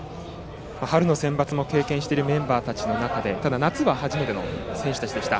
春のセンバツも経験しているメンバーですがただ夏は初めての選手たちでした。